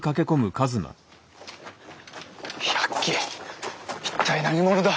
百鬼一体何者だ？